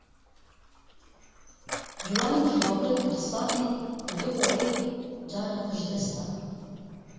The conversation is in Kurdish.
Ciwanekî Bakurê Kurdistanê li Duhokê canê xwe ji dest da.